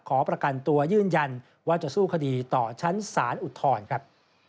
ขอประกันตัวยืนยันว่าจะสู้คดีต่อชั้นศาลอุทธรณ์ครับ